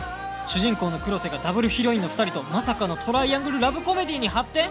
主人公の黒瀬がダブルヒロインの２人とまさかのトライアングル・ラブコメディーに発展！？